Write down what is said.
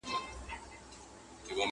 نه په صرفو نه په نحو دي پوهېږم!.